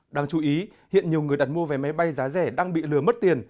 đáng chú ý hiện nhiều người đặt mua vé máy bay giá rẻ đang bị lừa mất tiền